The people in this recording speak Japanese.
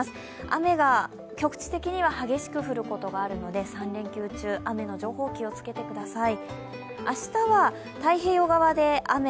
雨が局地的には激しく降ることがあるので３連休中、雨の情報気をつけてください。